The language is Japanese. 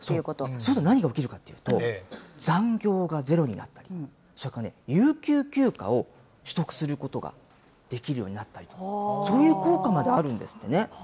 それで何が起きるかというと、残業がゼロになったり、それからね、有給休暇を取得することができるようになったりと、そういう効果まであるんですってね。